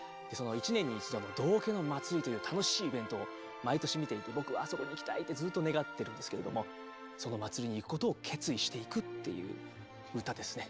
１年に１度の道化の祭りという楽しいイベントを毎年見ていて僕はあそこに行きたいってずっと願ってるんですけれどもその祭りに行くことを決意していくっていう歌ですね。